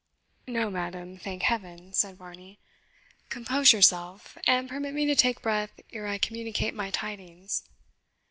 "No, madam, thank Heaven!" said Varney. "Compose yourself, and permit me to take breath ere I communicate my tidings."